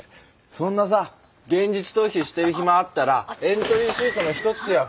そんなさ現実逃避してる暇あったらエントリーシートのひとつやふた。